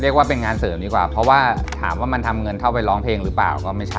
เรียกว่าเป็นงานเสริมดีกว่าเพราะว่าถามว่ามันทำเงินเข้าไปร้องเพลงหรือเปล่าก็ไม่ใช่